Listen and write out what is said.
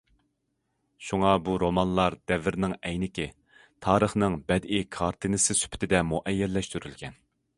شۇڭا بۇ رومانلار دەۋرنىڭ ئەينىكى، تارىخنىڭ بەدىئىي كارتىنىسى سۈپىتىدە مۇئەييەنلەشتۈرۈلگەن.